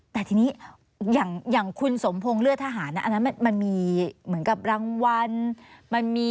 แต่ทีนี้อย่างคุณสมพงศ์เลือดทหารอันนั้นมันมีเหมือนกับรางวัล